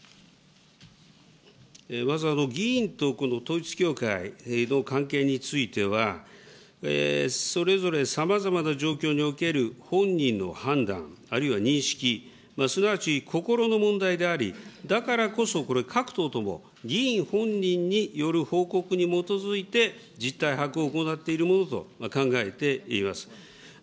まず議員と統一教会の関係については、それぞれさまざまな状況における本人の判断、あるいは認識、すなわち心の問題であり、だからこそ、これ、各党とも議員本人による報告に基づいて実態把握を行っているものと考えています。